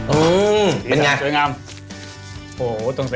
อืมเป็นไงดีจังช่วยงาม